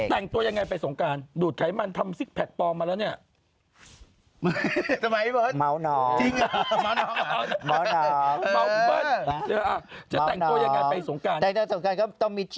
แต่งตัวยังไงไปสงการดูดไขมันทำซิกแพคปลอมมาแล้วเนี่ย